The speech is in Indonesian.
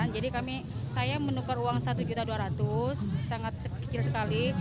jadi kami saya menukar uang satu juta dua ratus sangat kecil sekali